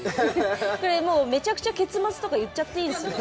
これもうめちゃくちゃ結末とか言っちゃっていいですね。